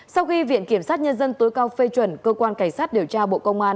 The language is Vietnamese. sau khi viện kiểm sát nhân dân tối cao phê chuẩn cơ quan cảnh sát điều tra bộ công an